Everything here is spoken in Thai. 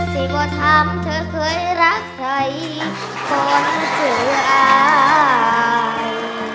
สิบวทามเธอเคยรักใครตอนเธออาย